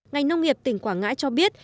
ngành nông nghiệp tỉnh quảng ngãi cho biết